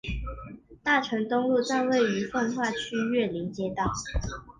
大成东路站位于奉化区岳林街道。